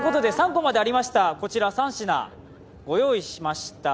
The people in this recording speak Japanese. ３コマでありましたこちら３品ご用意しました。